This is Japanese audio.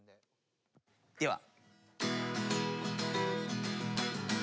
では。